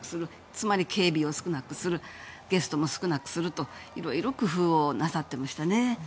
つまり警備を少なくするゲストも少なくするといろいろ工夫をなさってましたね。